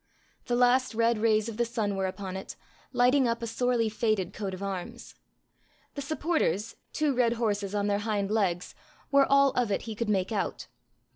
The last red rays of the sun were upon it, lighting up a sorely faded coat of arms. The supporters, two red horses on their hind legs, were all of it he could make out.